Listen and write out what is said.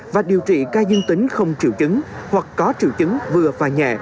và điều trị ca dương tính không triệu chứng hoặc có triệu chứng vừa và nhẹ